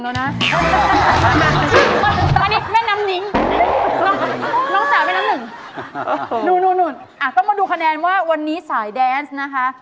ต้องมาดูคะแนนว่าวันนี้สายแดนส์นะคะ